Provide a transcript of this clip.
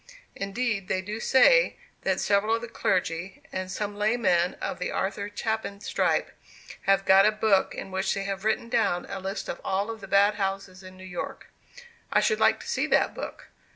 Indeed, they do say that several of the clergy, and some laymen of the Arthur Tappan stripe, have got a book in which they have written down a list of all the bad houses in New York. I should like to see that book.